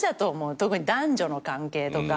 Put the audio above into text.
特に男女の関係とか。